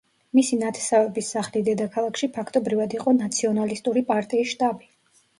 მისი ნათესავების სახლი დედაქალაქში ფაქტობრივად იყო ნაციონალისტური პარტიის შტაბი.